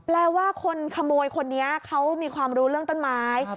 ว่าคนขโมยคนนี้เขามีความรู้เรื่องต้นไม้